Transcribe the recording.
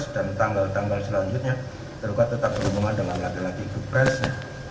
dan tanggal tanggal selanjutnya tergugat tetap berhubungan dengan lagi lagi good branch nya